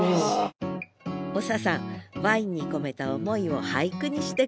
長さんワインに込めた思いを俳句にしてくれました